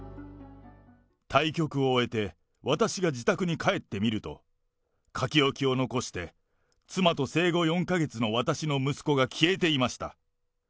対局を終えて、私が自宅に帰ってみると、書き置きを残して妻と生後４か月の私の息子が消えていました。